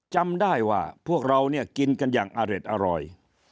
จำได้ว่าพวกเราเนี่ยกินกันอย่างอเร็ดอร่อย